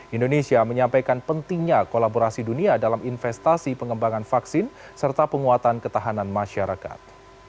indonesia menyampaikan pentingnya kolaborasi dunia dalam investasi pengembangan vaksin serta penguatan ketahanan masyarakat